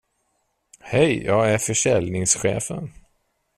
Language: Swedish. Hej, jag är försäljningschefen.